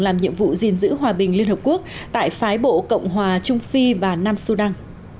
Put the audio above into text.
làm nhiệm vụ gìn giữ hòa bình liên hợp quốc tại phái bộ cộng hòa trung phi và nam sudan